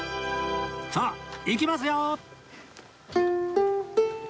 さあ行きますよ！